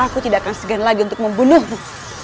aku tidak akan segan lagi untuk membunuhmu